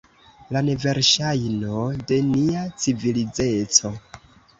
La neverŝajno de nia civilizeco.